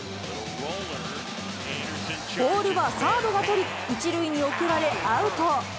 ボールはサードが捕り、１塁に送られ、アウト。